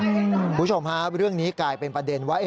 คุณผู้ชมฮะเรื่องนี้กลายเป็นประเด็นว่า